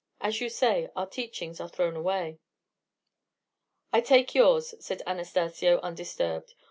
As you say, our teachings are thrown away." "I take yours," said Anastacio, undisturbed.